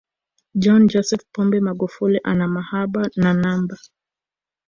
John Joseph Pombe Magufuli ana mahaba na namba